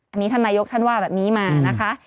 อันนี้ท่านนายกท่านว่าแบบนี้มานะคะ